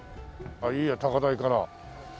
いいよ高台から。